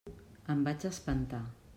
Em vaig espantar.